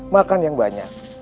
makan yang banyak